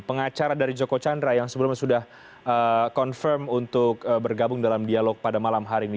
pengacara dari joko chandra yang sebelumnya sudah confirm untuk bergabung dalam dialog pada malam hari ini